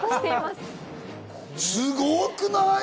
すごくない？